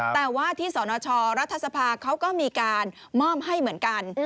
แต่ว่าที่สนชรัฐสภาเขาก็มีการมอบให้เหมือนกัน